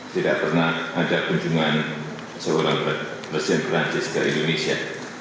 tidak pernah ada kunjungan seorang presiden perancis ke indonesia